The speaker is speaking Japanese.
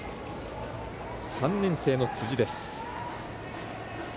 ３年生の辻です。